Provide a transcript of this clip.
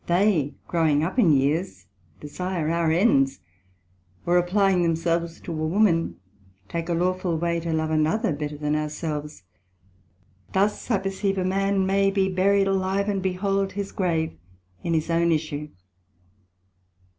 They, growing up in years, desire our ends; or applying themselves to a woman, take a lawful way to love another better than our selves. Thus I perceive a man may be buried alive, and behold his grave in his own issue.